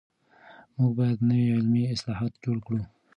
موږ بايد نوي علمي اصطلاحات جوړ کړو.